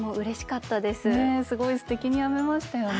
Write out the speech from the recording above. すごいすてきに編めましたよね。